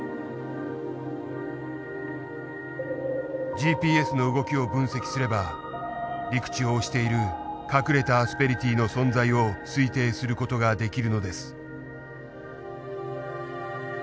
ＧＰＳの動きを分析すれば陸地を押している隠れたアスペリティーの存在を推定する事ができるのです。